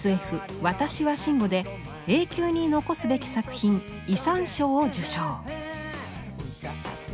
「わたしは真悟」で永久に残すべき作品「遺産賞」を受賞。